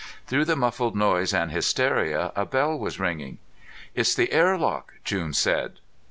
Through the muffled noise and hysteria, a bell was ringing. "It's the airlock," June said.